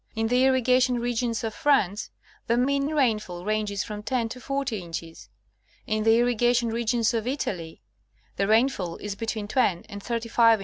In the irriga tion regions of France, the mean rainfall ranges from 10 to 40 inches ; in the irrigation regions of Italy, the rainfall is between 280 National Oeogra^hic Magazine.